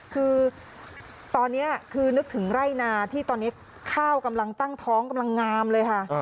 คือตอนนี้คือนึกถึงไร่นาที่ตอนนี้ข้าวกำลังตั้งท้องกำลังงามเลยค่ะ